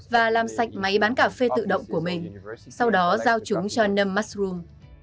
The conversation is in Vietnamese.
và làm sạch máy bán cà phê tự động của mình sau đó giao chúng cho nấm mushroom